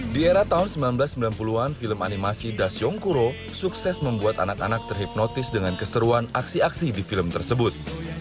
di era tahun seribu sembilan ratus sembilan puluh an film animasi dasyongkuro sukses membuat anak anak terhipnotis dengan keseruan aksi aksi di film tersebut